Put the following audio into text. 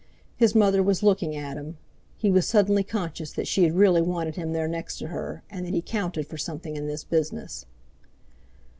His mother was looking at him; he was suddenly conscious that she had really wanted him there next to her, and that he counted for something in this business.